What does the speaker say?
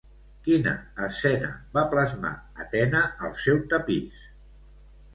Quina escena va plasmar Atena al seu tapís?